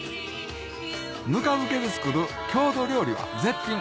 ぬか漬けで作る郷土料理は絶品！